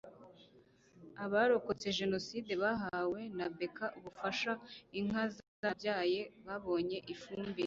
Abarokotse Jenoside bahawe na BK ubufasha Inka zarabyaye babonye ifumbire